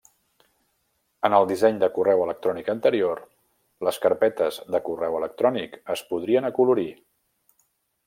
En el disseny de correu electrònic anterior, les carpetes de correu electrònic es podrien acolorir.